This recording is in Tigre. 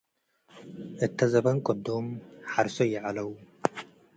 እተ ዘበን ቅዱም ሐርሶ ይዐለው ።